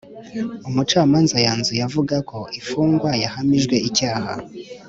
umucamanza yanzuye avuga ko imfungwa yahamijwe icyaha.